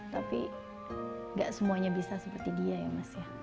tapi gak semuanya bisa seperti dia ya mas ya